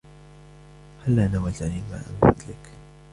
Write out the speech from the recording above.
هلاّ ناولتني الماء من فضلك؟